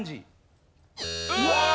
うわ！